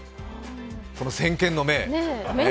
この先見の明。